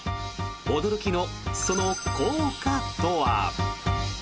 驚きのその効果とは？